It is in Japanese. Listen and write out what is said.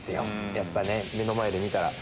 やっぱね目の前で見たら。